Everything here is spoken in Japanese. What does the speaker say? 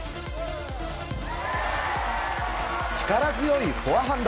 力強いフォアハンド。